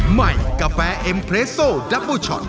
ใหม่กาแฟเอ็มเรสโซดับเบอร์ช็อต